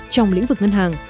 trong lĩnh vực ngân hàng